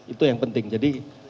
itu yang penting jadi